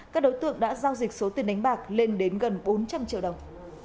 các đối tượng đã giao dịch số tiền đánh bạc lên đến gần bốn trăm linh triệu đồng